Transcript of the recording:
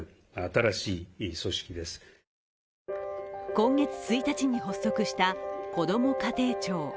今月１日に発足したこども家庭庁。